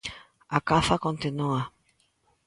A caza continúa.